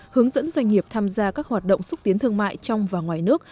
hướng dẫn doanh nghiệp tham gia các hoạt động xúc tiến thương mại trong và ngoài nước